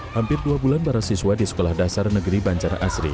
hampir dua bulan para siswa di sekolah dasar negeri banjar asri